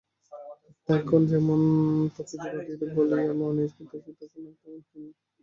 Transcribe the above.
আত্মা এখন যেমন প্রকৃতির অধীন বলিয়া মনে হইতেছে, তখন আর তেমন হয় না।